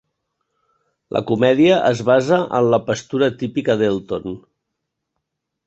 La comèdia es basa en la pastura típica d'Elton.